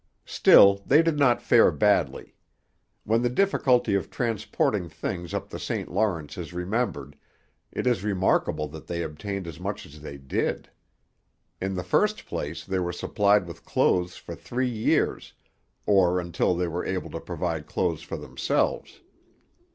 Still, they did not fare badly. When the difficulty of transporting things up the St Lawrence is remembered, it is remarkable that they obtained as much as they did. In the first place they were supplied with clothes for three years, or until they were able to provide clothes for themselves.